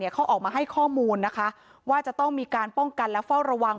เขาออกมาให้ข้อมูลนะคะว่าจะต้องมีการป้องกันและเฝ้าระวัง